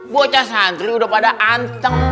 bocah santri udah pada anteng